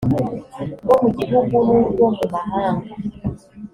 rwo mu gihugu n urwo mu mahanga